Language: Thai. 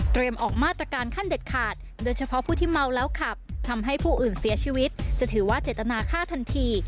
ออกมาตรการขั้นเด็ดขาดโดยเฉพาะผู้ที่เมาแล้วขับทำให้ผู้อื่นเสียชีวิตจะถือว่าเจตนาฆ่าทันที